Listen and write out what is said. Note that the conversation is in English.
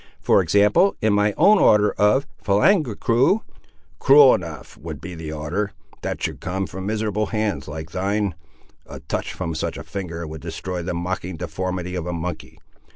For example, in my own order of Phalangacru—" "Cruel enough would be the order, that should come from miserable hands like thine! A touch from such a finger would destroy the mocking deformity of a monkey!